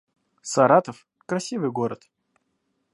Саратов — красивый город